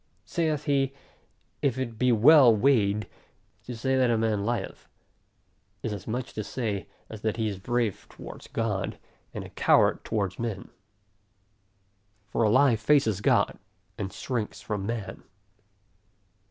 Saith he, If it be well weighed, to say that a man lieth, is as much to say, as that he is brave towards God, and a coward towards men. For a lie faces God, and shrinks from man.